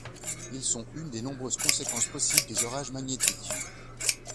Ils sont une des nombreuses conséquences possibles des orages magnétiques.